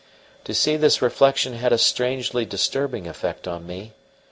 To see this reflection had a strangely disturbing effect on me.